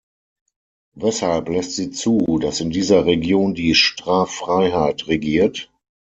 Weshalb lässt sie zu, dass in dieser Region die Straffreiheit regiert?